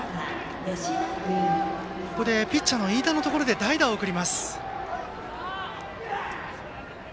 ここで、ピッチャーの飯田のところで代打を送ります。